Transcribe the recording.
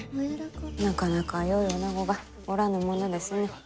なかなかよいおなごがおらぬものですね。